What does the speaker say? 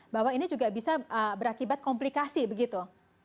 bahwa ini juga bisa berakibat komplikasi begitu